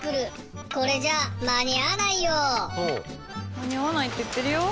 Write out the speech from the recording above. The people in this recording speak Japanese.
間に合わないって言ってるよ。